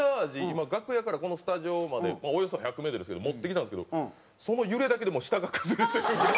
今楽屋からこのスタジオまでおよそ１００メートルですけど持って来たんですけどその揺れだけでもう下が崩れてるぐらい。